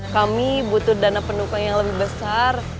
kami butuh dana pendukung yang lebih besar